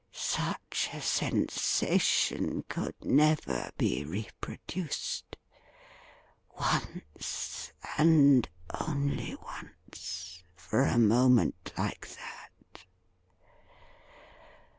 Such a sensation could never be reproduced. Once, and only once, for a moment like that